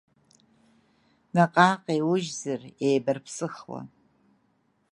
Наҟ-ааҟ еиужьзар еибарԥсыхуа…